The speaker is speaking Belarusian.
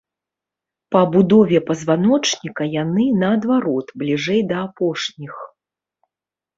Па будове пазваночніка яны, наадварот, бліжэй да апошніх.